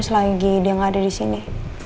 selagi dia nggak ada di sini